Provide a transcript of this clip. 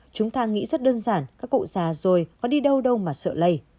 chúng ta nghĩ rất đơn giản các cụ già rồi có đi đâu đâu mà sợ lây